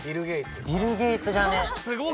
ビル・ゲイツじゃね？